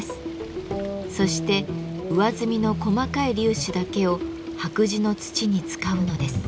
そして上澄みの細かい粒子だけを白磁の土に使うのです。